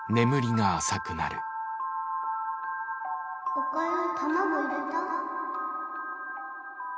おかゆ卵入れた？